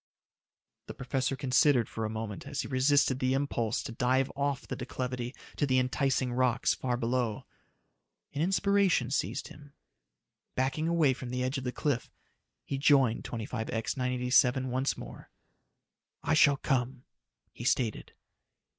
The professor considered for a moment as he resisted the impulse to dive off the declivity to the enticing rocks far below. An inspiration seized him. Backing away from the edge of the cliff, he joined 25X 987 once more. "I shall come," he stated.